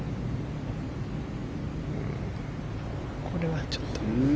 これはちょっと。